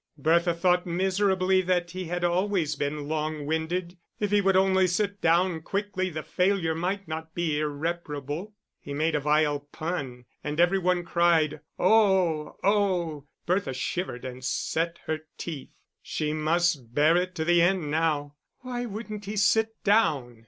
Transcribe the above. Bertha thought miserably that he had always been long winded: if he would only sit down quickly the failure might not be irreparable. He made a vile pun and every one cried, Oh! Oh! Bertha shivered and set her teeth; she must bear it to the end now why wouldn't he sit down?